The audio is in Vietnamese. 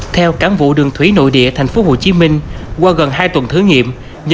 theo cán vụ đường thủy nội địa tp hcm qua gần hai tuần thử nghiệm